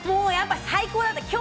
最高だった。